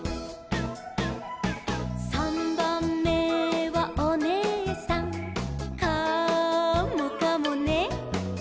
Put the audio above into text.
「さんばんめはおねえさん」「カモかもね」